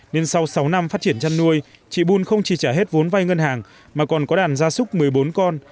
nên sau sáu năm phát triển chăn nuôi chị bun không chỉ trả hết vốn vay ngân hàng mà còn có đàn gia súc một mươi bốn con